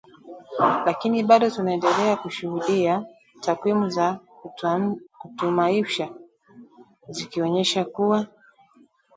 Lakini bado tunaendelea kushuhudia takwimu za kutamausha zikionyesha kuwa